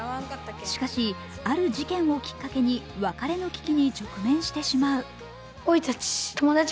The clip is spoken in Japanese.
しかし、ある事件をきっかけに別れの危機に直面してしまう。